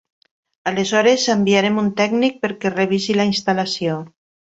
Aleshores enviarem un tècnic perquè revisi la instal·lació.